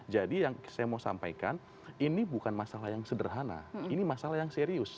jadi yang saya mau sampaikan ini bukan masalah yang sederhana ini masalah yang serius